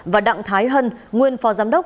và đặng thái hân nguyên phó giám đốc